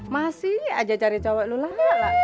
masih aja cari cowok lu lah